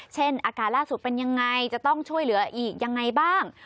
อาการล่าสุดเป็นยังไงจะต้องช่วยเหลืออีกยังไงบ้าง